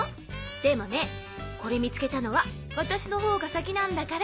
でもねこれ見つけたのは私の方が先なんだから！